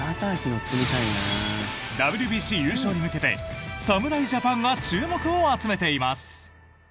ＷＢＣ優勝に向けて侍ジャパンが注目を集めています。